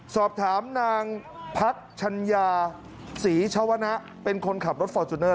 สอบถามนางพักชัญญาศรีชวนะเป็นคนขับรถฟอร์จูเนอร์